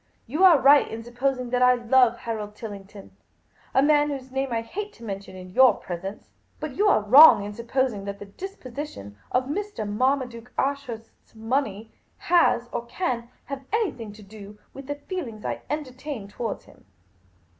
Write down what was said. You are right in supposing that I love Harold Tillington — a man whose name I hate to mention in your presence. But you are wrong in supposing that the disposition of Mr. Marmaduke Ashurst's money has or can have anything to do with the feelings I entertain toward;:' him.